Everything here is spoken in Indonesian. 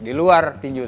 di luar tinju saya